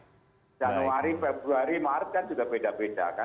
januari februari maret kan juga beda beda kan